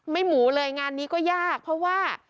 หมูเลยงานนี้ก็ยากเพราะว่า